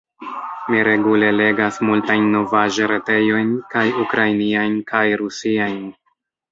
Mi regule legas multajn novaĵ-retejojn, kaj ukrainiajn, kaj rusiajn.